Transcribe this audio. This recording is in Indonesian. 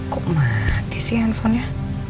kok mati sih handphonenya